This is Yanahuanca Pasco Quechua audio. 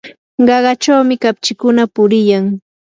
qaqachawmi kapchikuna puriyan.